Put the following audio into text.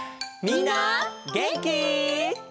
みんなげんき？